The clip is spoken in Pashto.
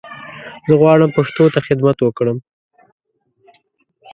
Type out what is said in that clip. زه غواړم پښتو ته خدمت وکړم